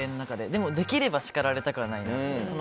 でも、できれば叱られたくないなって。